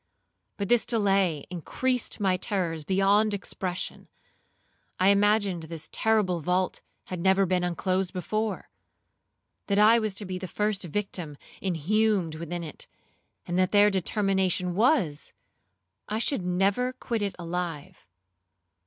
But this delay increased my terrors beyond expression; I imagined this terrible vault had never been unclosed before; that I was to be the first victim inhumed within it; and that their determination was, I should never quit it alive.